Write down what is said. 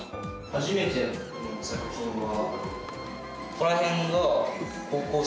初めての作品は。